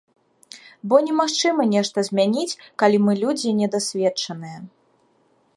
Бо немагчыма нешта змяніць, калі мы людзі недасведчаныя.